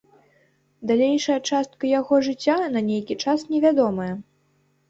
Далейшая частка яго жыцця на нейкі час невядомая.